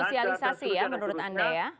sosialisasi ya menurut anda ya